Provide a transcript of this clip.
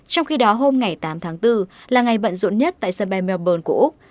trong khi đó hôm tám bốn là ngày bận rộn nhất tại sân bay melbourne của úc